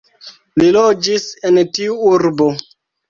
Li loĝis en tiu urbo.